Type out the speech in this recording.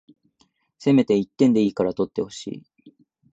せめて一点でいいから取ってほしい